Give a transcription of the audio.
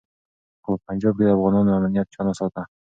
خو په پنجاب کي د افغانانو امنیت چا نه ساته.